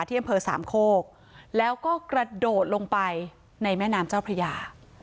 ที่อำเภอสามโคกแล้วก็กระโดดลงไปในแม่น้ำเจ้าพระยา